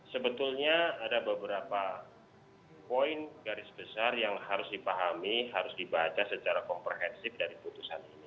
sebetulnya ada beberapa poin garis besar yang harus dipahami harus dibaca secara komprehensif dari putusan ini